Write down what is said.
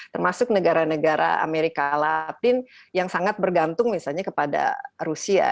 termasuk negara negara amerika latin yang sangat bergantung misalnya kepada rusia